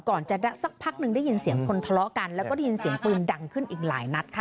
ก่อนจะสักพักหนึ่งได้ยินเสียงคนทะเลาะกันแล้วก็ได้ยินเสียงปืนดังขึ้นอีกหลายนัดค่ะ